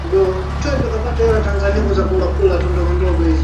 utendaji kazi wa sekta ya ardhi mkoani Mara jana